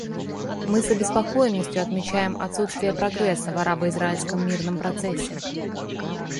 Мы с обеспокоенностью отмечаем отсутствие прогресса в арабо-израильском мирном процессе.